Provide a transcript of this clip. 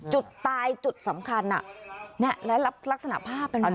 จุดตายจุดสำคัญและลักษณะภาพเป็นแบบนี้